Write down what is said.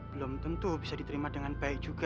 belum tentu bisa diterima dengan baik juga